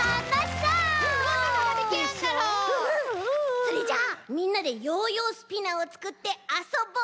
それじゃあみんなでヨーヨースピナーをつくってあそぼう。